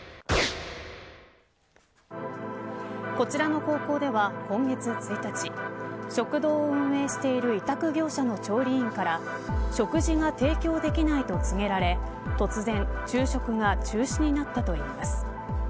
こちらの高校では今月１日食堂を運営している委託業者の調理員から食事が提供できないと告げられ突然昼食が中止になったといいます。